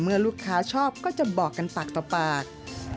เมื่อลูกค้าชอบก็จะบอกกันปากต่อปาก